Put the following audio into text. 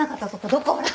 どこほら。